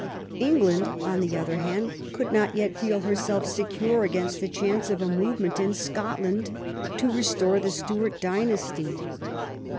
England, on the 91 THE BEION OF QUEEN ANNE other hand, could not yet feel herself secure against the chance of a movement in Scotland to restore the Stuart dynasty.